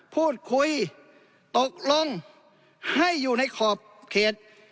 พูดคุยตกลงให้อยู่ในขอบเขต